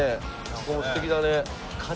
ここもすてきだね。